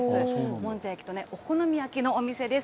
もんじゃ焼きとね、お好み焼きのお店です。